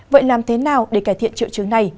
vậy làm thế nào để cải thiện triệu chứng này